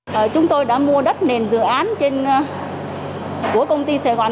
tại phiên tòa phúc thẩm đại diện viện kiểm sát nhân dân tối cao tại tp hcm cho rằng cùng một dự án